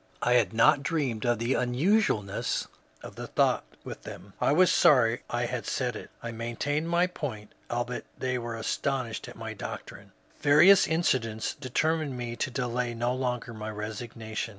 I had not dreamed of the unusualness of the thought with them. I was sorry I had said it. I maintained my point, albeit they were astonished at my doctrine." Various incidents determined me to delay no longer my resignation.